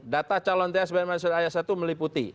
data calon tsb dan manusia ayasatu meliputi